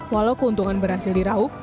walau keuntungan berhasil dirauk